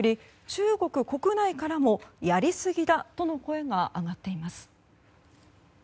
中国国内からもやりすぎだとの声が上がっています。